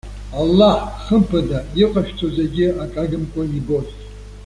Аллаҳ, хымԥада, иҟашәҵо зегьы акы агымкәа ибоит.